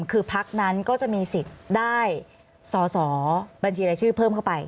คือพักนั้นก็จะมีสิทธิ์ได้สอสอบัญชีรายชื่อเพิ่มเข้าไป